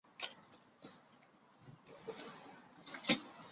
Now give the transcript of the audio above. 中华耳蕨为鳞毛蕨科耳蕨属下的一个种。